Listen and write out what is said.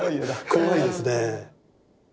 怖いですねぇ。